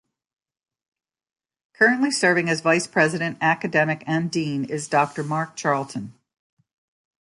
Currently serving as Vice-President Academic and Dean is Doctor Mark Charlton.